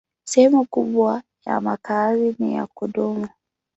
Sehemu kubwa ya makazi ni ya kudumu.